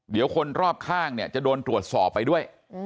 เดี๋ยวคนรอบข้างเนี่ยจะโดนตรวจสอบไปด้วย